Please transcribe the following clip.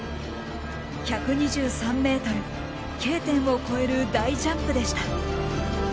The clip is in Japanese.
１２３ｍＫ点を超える大ジャンプでした。